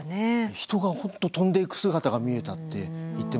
人が本当飛んでいく姿が見えたって言ってましたね。